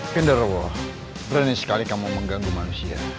finderwal berani sekali kamu mengganggu manusia